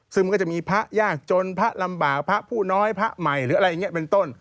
ซึ่งมันก็จะมีพระยากจนพระลำบากพระผู้น้อยพระใหม่หรืออะไรอย่างนี้เป็นต้น